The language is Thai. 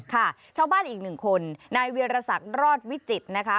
ค่ะชาวบ้านอีกหนึ่งคนนายเวียรศักดิ์รอดวิจิตรนะคะ